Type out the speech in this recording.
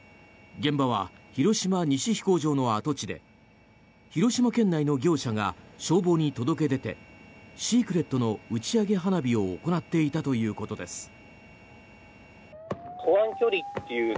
現場は広島西飛行場の跡地で広島県内の業者が消防に届け出てシークレットの打ち上げ花火を行っていたということです。